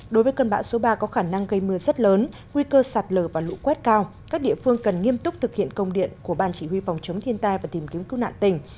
đối với cơn bão số ba có khả năng gây mưa rất lớn nguy cơ sạt lở và lũ quét cao các địa phương cần nghiêm túc thực hiện công điện của ban chỉ huy phòng chống thiên tai và tìm kiếm cứu nạn tỉnh